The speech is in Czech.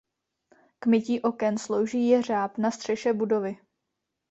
K mytí oken slouží jeřáb na střeše budovy.